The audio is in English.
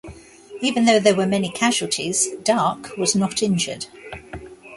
Even though there were many casualties, Darke was not injured.